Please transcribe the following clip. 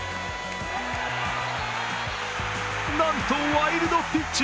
なんとワイルドピッチ。